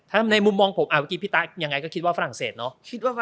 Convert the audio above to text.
ถ้าในมุมมองผมพี่ต๊าอย่างไรก็คิดว่าฝรั่งเศสเนาะ